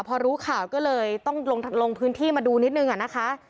พอรู้ข่าวก็เลยต้องลงพื้นที่มาดูนิดนึงอะนะคะ